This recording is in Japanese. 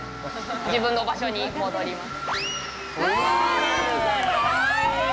自分の場所に戻ります。